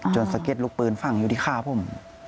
สะเก็ดลูกปืนฝั่งอยู่ที่คาผม